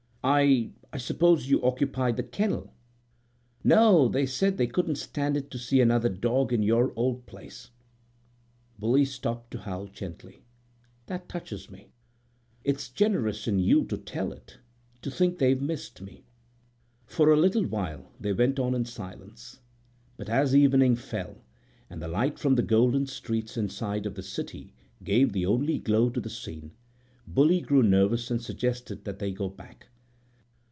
"I—I suppose you occupy the kennel?" "No. They said they couldn't stand it to see another dog in your old place." Bully stopped to howl gently. "That touches me. It's generous in you to tell it. To think they missed me!" For a little while they went on in silence, but as evening fell, and the light from the golden streets inside of the city gave the only glow to the scene, Bully grew nervous and suggested that they go back.